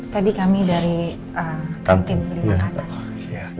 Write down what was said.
tadi kami dari tim beli makanan